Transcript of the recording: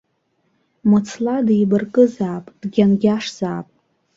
Мыцла деибаркызаап, дгьангьашзаап.